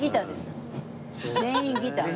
全員ギター。